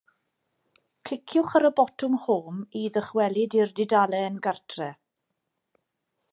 Cliciwch ar y botwm 'Home' i ddychwelyd i'r dudalen gartref.